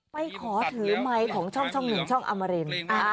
ไปขอถือไมค์ของช่องหนึ่งช่องอมริน